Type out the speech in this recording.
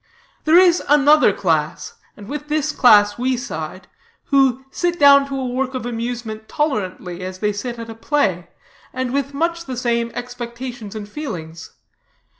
There is another class, and with this class we side, who sit down to a work of amusement tolerantly as they sit at a play, and with much the same expectations and feelings.